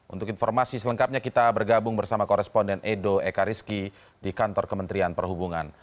untuk informasi selengkapnya kita bergabung bersama koresponden edo ekariski di kantor kementerian perhubungan